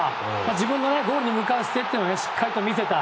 自分がゴールに向かう姿勢というのをしっかりと見せた。